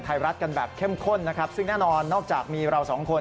ไทยรัฐกันแบบเข้มข้นนะครับซึ่งแน่นอนนอกจากมีเราสองคน